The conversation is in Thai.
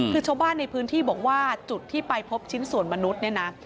คือชาวบ้านในพื้นที่บอกว่าจุดที่ไปพบชิ้นส่วนมนุษย์เนี่ยนะ